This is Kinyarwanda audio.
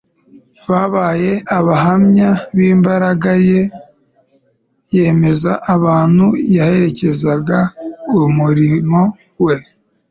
Babaye abahamva b'imbaraga ye yemeza abantu yaherekezaga umurimo we,